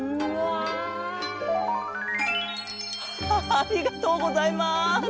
ハハありがとうございます。